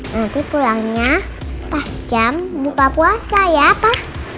nanti pulangnya pas jam buka puasa ya pak